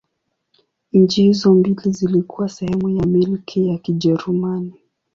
Nchi hizo mbili zilikuwa sehemu ya Milki ya Kijerumani.